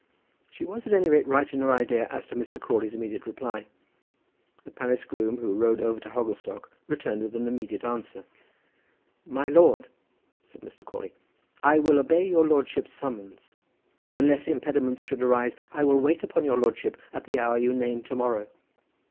But she was at any rate right in her idea as to Mr. Crawley's immediate reply. The palace groom who rode over to Hogglestock returned with an immediate answer. "MY LORD" said Mr. Crawley. I will obey your lordship's summons, and, unless impediments should arise, I will wait upon your lordship at the hour you name to morrow.